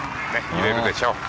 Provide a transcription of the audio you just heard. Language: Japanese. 入れるでしょう。